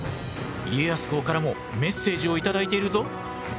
家康公からもメッセージをいただいているぞ。